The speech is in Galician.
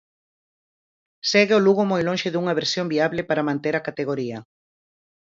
Segue o Lugo moi lonxe dunha versión viable para manter a categoría.